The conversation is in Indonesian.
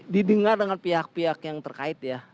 didengar dengan pihak pihak yang terkait ya